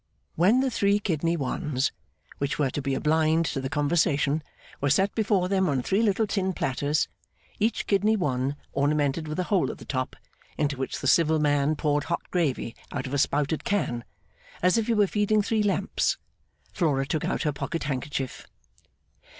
When the 'three kidney ones,' which were to be a blind to the conversation, were set before them on three little tin platters, each kidney one ornamented with a hole at the top, into which the civil man poured hot gravy out of a spouted can as if he were feeding three lamps, Flora took out her pocket handkerchief.